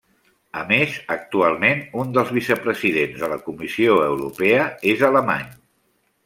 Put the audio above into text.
A més, actualment un dels vicepresidents de la Comissió Europea és alemany.